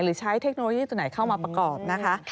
ใช้เทคโนโลยีตัวไหนเข้ามาประกอบนะคะ